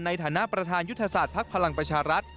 ในฐานะประธานยุตภาษาพักพลังประชารัฐ